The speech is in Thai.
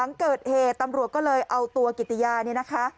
หลังเกิดเหตุตำรวจก็เลยเอาตัวกิติยาเนี่ยนะคะ